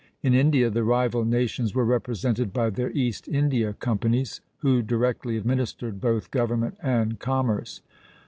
In India, the rival nations were represented by their East India companies, who directly administered both government and commerce.